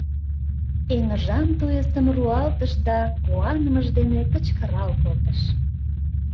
Эҥыжан туйысым руалтыш да куанымыж дене кычкырал колтыш.